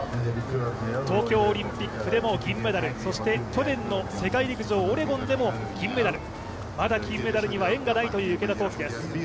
東京オリンピックでも銀メダル、そして去年の世界陸上オレゴンでも銀メダル、まだ金メダルには縁がないという池田向希です。